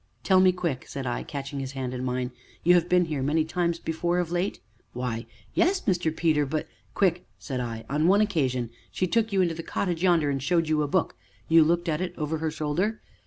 "Tell me quick!" said I, catching his hand in mine, "you have been here many times before of late?" "Why yes, Mr. Peter, but " "Quick!" said I; "on one occasion she took you into the cottage yonder and showed you a book you looked at it over her shoulder?"